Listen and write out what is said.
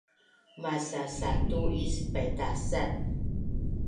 Masasatu is paitasan